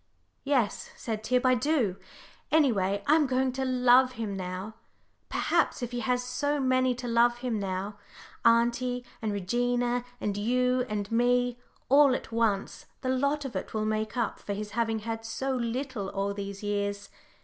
"Yes," said Tib, "I do. Anyway, I'm going to love him now. Perhaps, if he has so many to love him now auntie and Regina, and you and me all at once, the lot of it will make up for his having had so little all these years.